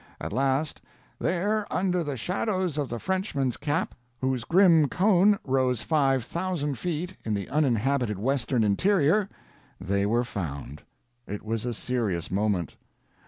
At last, "there, under the shadows of the Frenchman's Cap, whose grim cone rose five thousand feet in the uninhabited westward interior," they were found. It was a serious moment.